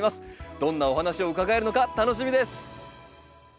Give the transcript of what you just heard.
どんなお話を伺えるのか楽しみです！